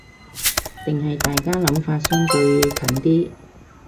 定係大家諗法相對近啲